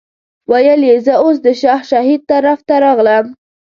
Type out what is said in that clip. ویل یې زه اوس د شاه شهید طرف ته راغلم.